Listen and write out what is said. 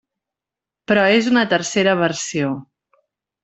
Però és una tercera versió.